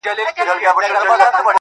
ډبري غورځوې تر شا لاسونه هم نيسې؟